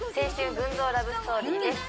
群像ラブストーリーです